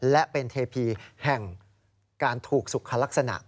และเป็นเทพีแห่งการถูกสุขลักษณะ